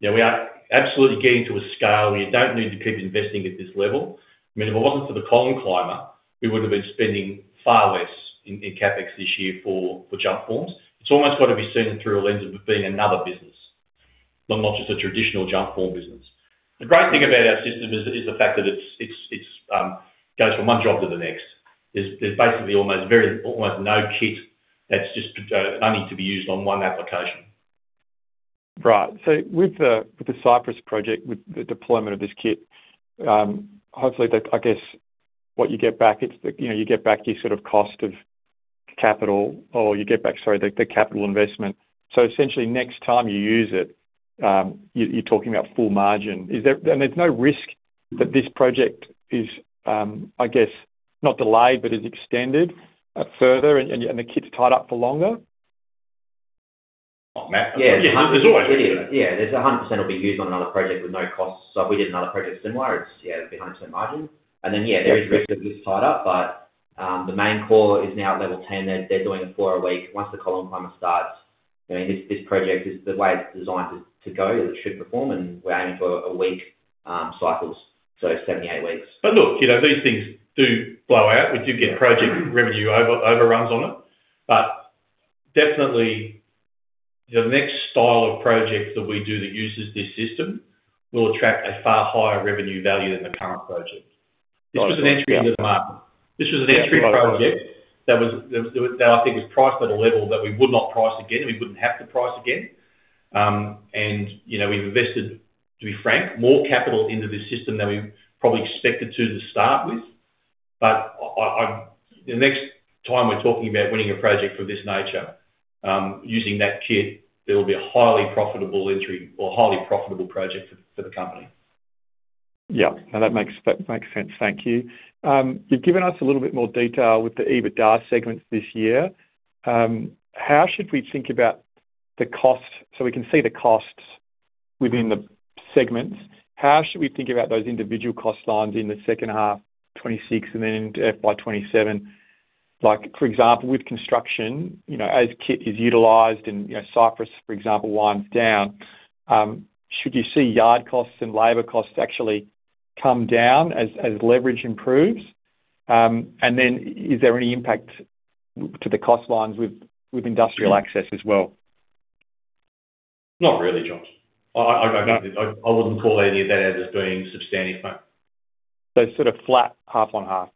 Now, we are absolutely getting to a scale where you don't need to keep investing at this level. I mean, if it wasn't for the Column Climber, we would have been spending far less in CapEx this year for Jumpforms. It's almost got to be seen through a lens of it being another business, but not just a traditional Jumpform business. The great thing about our system is the fact that it's goes from one job to the next. There's basically almost very, almost no kit that's just only to be used on one application. Right. With the, with the Cypress project, with the deployment of this kit, hopefully, that I guess what you get back, it's the, you know, you get back your sort of cost of capital, or you get back, sorry, the capital investment. Essentially, next time you use it, you're talking about full margin. There's no risk that this project is, I guess, not delayed, but is extended further, and the kit's tied up for longer? Oh, Matt- Yeah, it is. Yeah, it's 100% will be used on another project with no costs. If we did another project similar, it's, yeah, it'd be 100% margin. Yeah, there is risk of this tied up, but the main core is now at level 10. They're doing four a week. Once the Column Climber starts, I mean, this project is the way it's designed to go, it should perform, and we're aiming for a week cycles, so 78 weeks. Look, you know, these things do blow out. We do get project revenue overruns on it. Definitely, the next style of project that we do that uses this system will attract a far higher revenue value than the current project. This was an entry into the market. This was an entry project that was, that I think was priced at a level that we would not price again, and we wouldn't have to price again. You know, we've invested, to be frank, more capital into this system than we probably expected to start with. I, the next time we're talking about winning a project of this nature, using that kit, it'll be a highly profitable entry or highly profitable project for the company. Now that makes sense. Thank you. You've given us a little bit more detail with the EBITDA segments this year. How should we think about the cost? We can see the costs within the segments. How should we think about those individual cost lines in the second half, 2026, and then by 2027? Like, for example, with construction, you know, as kit is utilized and, you know, Cypress, for example, winds down, should you see yard costs and labor costs actually come down as leverage improves? Is there any impact to the cost lines with industrial access as well? Not really, John. I wouldn't call any of that as being substantial. sort of flat, half on half.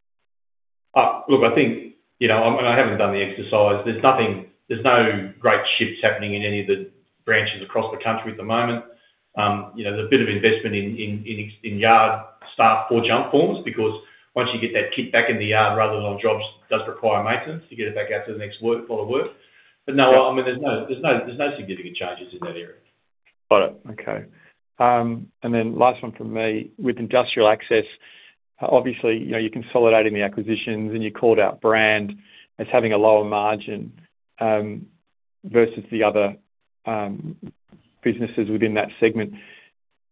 Look, I think, you know, I haven't done the exercise. There's no great shifts happening in any of the branches across the country at the moment. You know, there's a bit of investment in yard staff for Jumpform, because once you get that kit back in the yard, rather than on jobs, it does require maintenance to get it back out to the next work, for the work. No, I mean, there's no significant changes in that area. Got it. Okay. Last one from me. With industrial access, obviously, you know, you're consolidating the acquisitions, you called out Brand as having a lower margin versus the other businesses within that segment.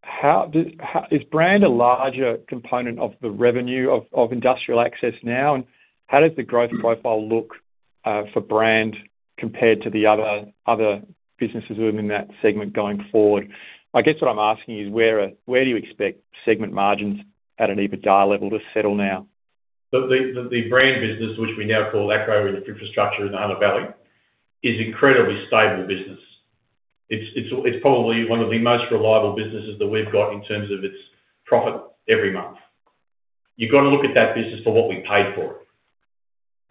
How Is Brand a larger component of the revenue of industrial access now? How does the growth profile look for Brand compared to the other businesses within that segment going forward? I guess what I'm asking is, where do you expect segment margins at an EBITDA level to settle now? The brand business, which we now call Acrow Infrastructure in the Hunter Valley, is incredibly stable business. It's probably one of the most reliable businesses that we've got in terms of its profit every month. You've got to look at that business for what we paid for it.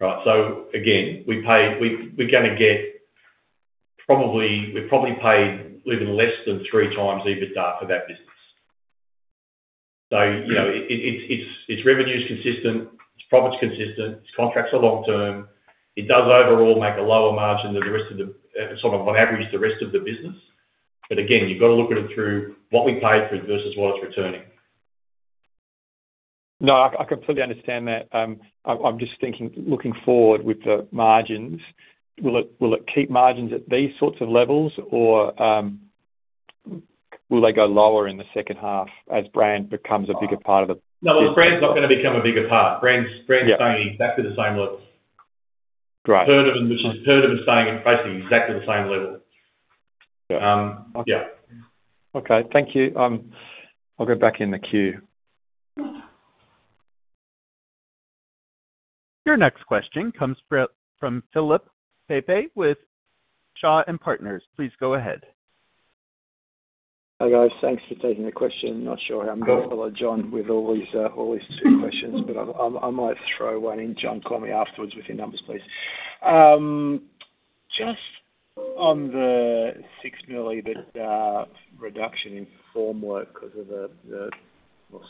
Right? Again, we're gonna get probably, we probably paid even less than 3x EBITDA for that business. You know, its revenue is consistent, its profit's consistent, its contracts are long term. It does overall make a lower margin than the rest of the, sort of on average, the rest of the business. Again, you've got to look at it through what we paid for it versus what it's returning. No, I completely understand that. I'm just thinking, looking forward with the margins, will it keep margins at these sorts of levels, or, will they go lower in the second half as Brand becomes a bigger part of. No, the brand's not going to become a bigger part. Yeah. Brand's staying exactly the same level. Great. Turnover, which is turnover, staying and pricing exactly the same level. Yeah. Okay, thank you. I'll go back in the queue. Your next question comes from Philip Pepe with Shaw and Partners. Please go ahead. Hi, guys. Thanks for taking the question. Not sure how I'm going to follow John with all these, all these two questions, but I might throw one in. John, call me afterwards with your numbers, please. Just on the $6 million reduction in form work because of the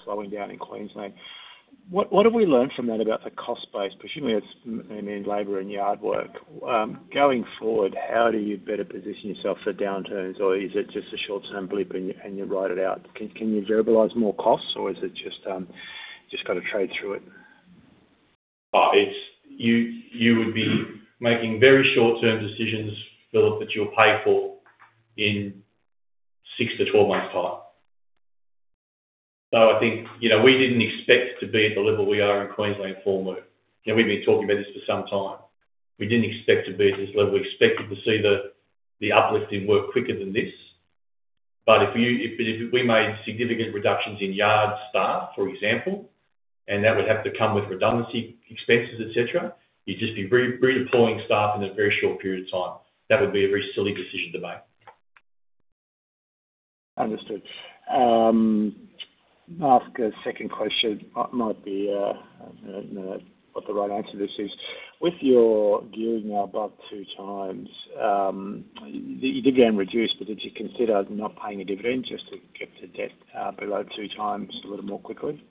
slowing down in Queensland, what have we learned from that about the cost base, presumably it's labor and yard work. Going forward, how do you better position yourself for downturns, or is it just a short-term blip and you, and you ride it out? Can you verbalize more costs, or is it just got to trade through it? It's... You would be making very short-term decisions, Philip, that you'll pay for in six-12 months time. I think, you know, we didn't expect to be at the level we are in Queensland formwork. You know, we've been talking about this for some time. We didn't expect to be at this level. We expected to see the uplift in work quicker than this. If you, if we made significant reductions in yard staff, for example, and that would have to come with redundancy expenses, et cetera, you'd just be redeploying staff in a very short period of time. That would be a very silly decision to make. Understood. I'll ask a second question. Might be, I don't know what the right answer to this is. With your gearing now above 2x, you did again, reduce, but did you consider not paying a dividend just to get the debt, below 2 times a little more quickly?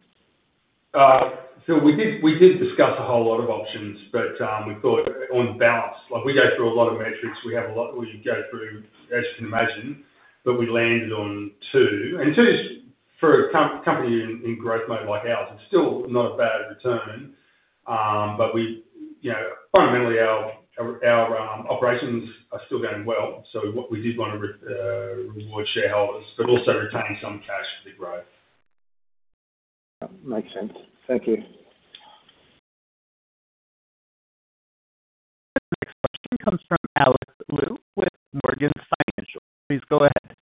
We did discuss a whole lot of options, but we thought on balance, like we go through a lot of metrics, we have a lot we go through, as you can imagine, but we landed on 2, and 2 is for a company in growth mode like ours, it's still not a bad return. We, you know, fundamentally, our operations are still going well, so what we did want to reward shareholders, but also retaining some cash for the growth. Makes sense. Thank you. The next question comes from Alex Liu with Morgan Stanley. Please go ahead.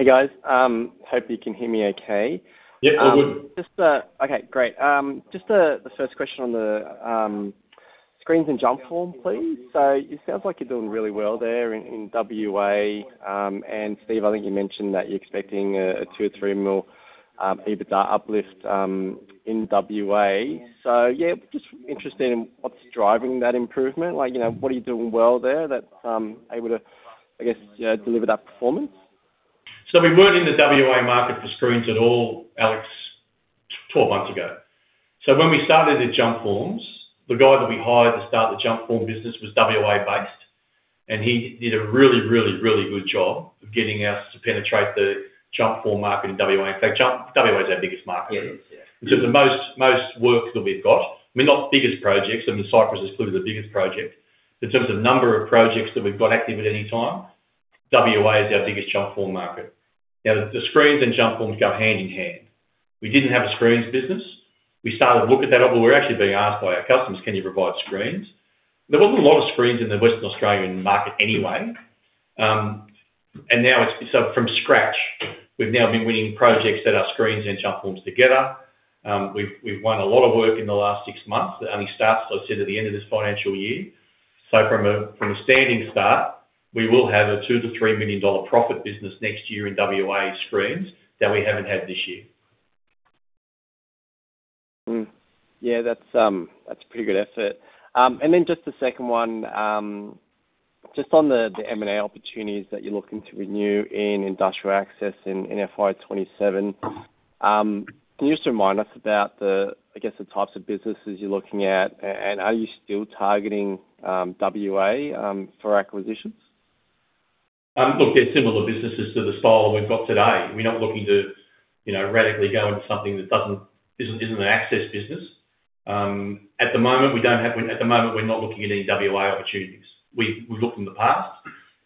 Hey, guys. Hope you can hear me okay. Yeah, all good. Just Okay, great. Just the first question on the screens and Jumpform, please. It sounds like you're doing really well there in WA, and Steve, I think you mentioned that you're expecting a 2 million or 3 million EBITDA uplift in WA. Yeah, just interested in what's driving that improvement. Like, you know, what are you doing well there that able to, I guess, deliver that performance? We weren't in the WA market for Screens at all, Alex, 12 months ago. When we started the Jumpforms, the guy that we hired to start the Jumpform business was WA based, and he did a really good job of getting us to penetrate the Jumpform market in WA. In fact, WA is our biggest market. Yeah. The most work that we've got, I mean, not the biggest projects, I mean, Cypress is clearly the biggest project, but in terms of number of projects that we've got active at any time, WA is our biggest Jumpform market. The screens and Jumpforms go hand in hand. We didn't have a screens business. We started to look at that, but we're actually being asked by our customers, "Can you provide screens?" There wasn't a lot of screens in the Western Australian market anyway, and now from scratch, we've now been winning projects that are screens and Jumpforms together. We've won a lot of work in the last six months that only starts, like I said, at the end of this financial year. From a standing start, we will have a 2-3 million dollar profit business next year in WA screens that we haven't had this year. Yeah, that's a pretty good effort. Just the second one, just on the M&A opportunities that you're looking to renew in industrial access in FY 2027, can you just remind us about the, I guess, the types of businesses you're looking at, and are you still targeting WA for acquisitions? Look, they're similar businesses to the style we've got today. We're not looking to, you know, radically go into something that doesn't, isn't an access business. At the moment, we're not looking at any WA opportunities. We, we've looked in the past,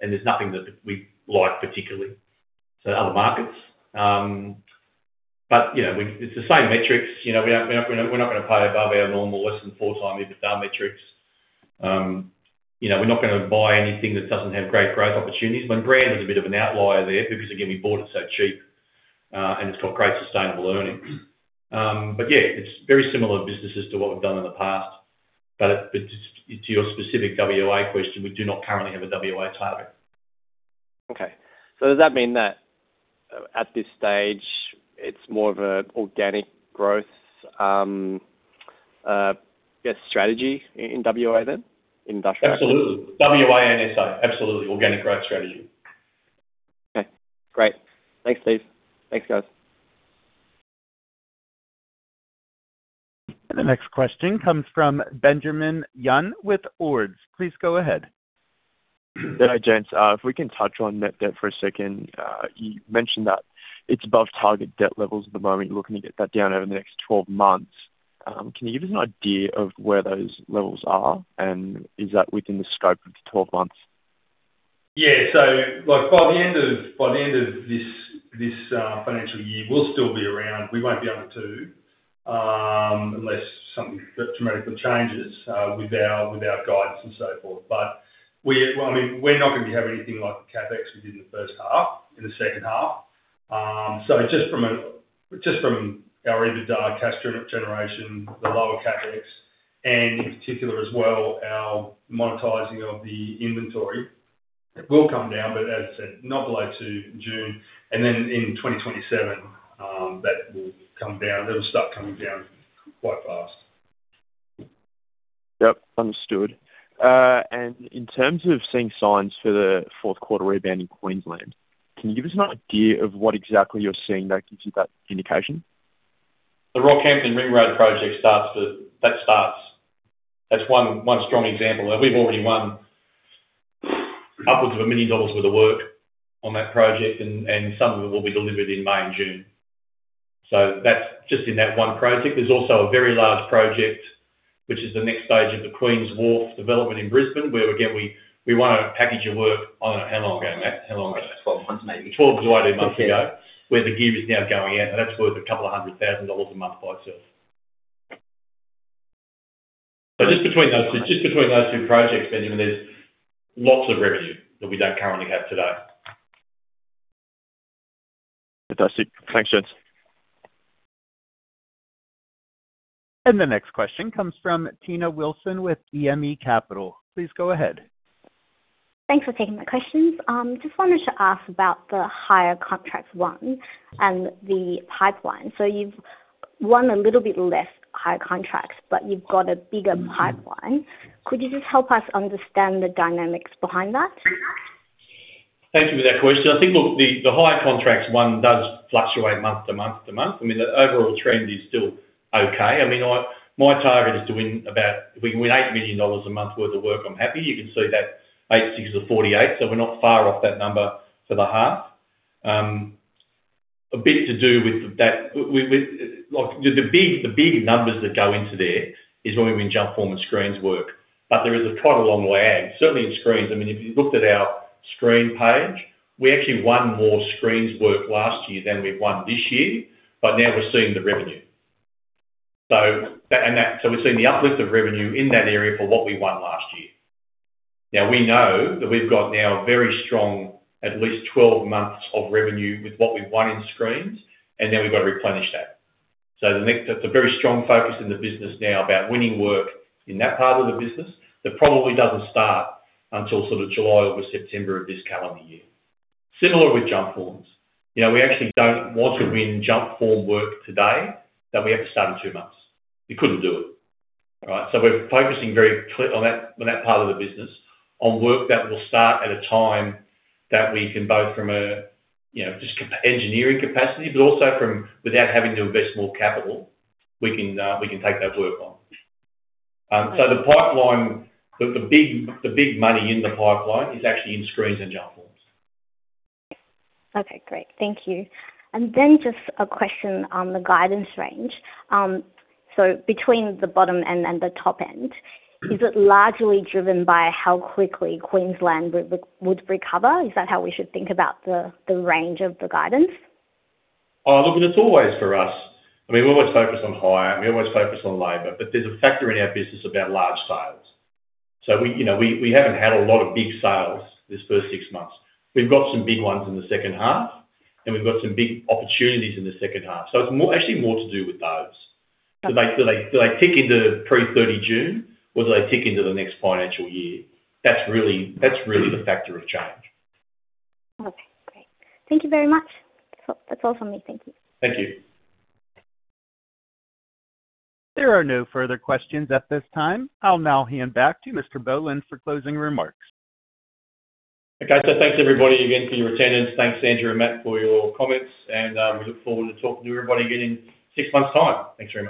and there's nothing that we like particularly to other markets. You know, we, it's the same metrics. You know, we're not, we're not gonna pay above our normal less than 4x EBITDA metrics. You know, we're not gonna buy anything that doesn't have great growth opportunities. Brand is a bit of an outlier there because, again, we bought it so cheap, and it's got great sustainable earnings. Yeah, it's very similar businesses to what we've done in the past. To your specific WA question, we do not currently have a WA target. Does that mean that at this stage, it's more of a organic growth, guess, strategy in WA, then, in industrial? Absolutely. WA and SA, absolutely, organic growth strategy. Okay, great. Thanks, Steve. Thanks, guys. The next question comes from Benjamin Young with Ord Minnett. Please go ahead. Hi, gents. If we can touch on net debt for a second. You mentioned that it's above target debt levels at the moment. You're looking to get that down over the next 12 months. Can you give us an idea of where those levels are, and is that within the scope of the 12 months? Yeah, so, like, by the end of this financial year, we'll still be around. We won't be able to, unless something dramatically changes with our guidance and so forth. We, well, I mean, we're not going to have anything like the CapEx we did in the first half, in the second half. Just from our EBITDA cash generation, the lower CapEx, and in particular as well, our monetizing of the inventory, it will come down, but as I said, not below to June. In 2027, that will come down. It'll start coming down quite fast. Yep, understood. In terms of seeing signs for the fourth quarter rebound in Queensland, can you give us an idea of what exactly you're seeing that gives you that indication? The Rockhampton Ring Road project starts. That's one strong example. We've already won upwards of 1 million dollars worth of work on that project, and some of it will be delivered in May and June. That's just in that one project. There's also a very large project, which is the next stage of the Queens Wharf development in Brisbane, where again, we want a package of work. I don't know, how long ago, Matt? How long ago? 12 months, maybe. 12 to 18 months ago, where the gear is now going out, and that's worth 200,000 dollars a month by itself. Just between those two projects, Benjamin, there's lots of revenue that we don't currently have today. Fantastic. Thanks, gents. The next question comes from Tina Wilson with E&P Capital. Please go ahead. Thanks for taking my questions. Just wanted to ask about the higher contracts won and the pipeline. You've won a little bit less higher contracts, but you've got a bigger pipeline. Could you just help us understand the dynamics behind that? Thank you for that question. The higher contracts one does fluctuate month to month to month. I mean, the overall trend is still okay. I mean, my target is to win about, if we can win 8 million dollars a month worth of work, I'm happy. You can see that 8 6 is 48, so we're not far off that number for the half. A bit to do with that, like, the big numbers that go into there is when we win Jumpform and Screens work, but there is quite a long way out, certainly in Screens. I mean, if you looked at our Screens page, we actually won more Screens work last year than we've won this year, but now we're seeing the revenue. And that, so we're seeing the uplift of revenue in that area for what we won last year. Now, we know that we've got now a very strong, at least 12 months of revenue with what we've won in screens, and then we've got to replenish that. The next, that's a very strong focus in the business now about winning work in that part of the business that probably doesn't start until sort of July or September of this calendar year. Similar with Jumpforms. You know, we actually don't want to win Jumpform work today, that we have to start in two months. We couldn't do it. All right? We're focusing very clear on that, on that part of the business, on work that will start at a time that we can both from a, you know, just comp, engineering capacity, but also from without having to invest more capital, we can take that work on. The pipeline, the big money in the pipeline is actually in Screens and Jumpform forms. Okay, great. Thank you. Just a question on the guidance range. Between the bottom end and the top end, is it largely driven by how quickly Queensland would recover? Is that how we should think about the range of the guidance? It's always for us. I mean, we always focus on hire, we always focus on labor, but there's a factor in our business about large sales. We, you know, we haven't had a lot of big sales this first six months. We've got some big ones in the second half, and we've got some big opportunities in the second half. It's more, actually more to do with those. Do they tick into pre-30 June, or do they tick into the next financial year? That's really the factor of change. Okay, great. Thank you very much. That's all for me. Thank you. Thank you. There are no further questions at this time. I'll now hand back to Mr. Boland for closing remarks. Thanks everybody again for your attendance. Thanks, Andrew and Matt, for your comments, and we look forward to talking to everybody again in six months' time. Thanks very much.